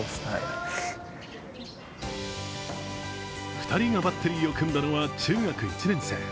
２人がバッテリーを組んだのは中学１年生。